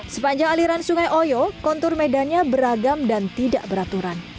sepanjang aliran sungai oyo kontur medannya beragam dan tidak beraturan